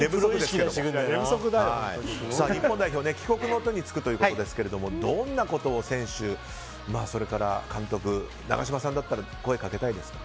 日本代表、帰国の途に就くということですが選手、それから監督に永島さんだったらどんなことを声かけたいですか？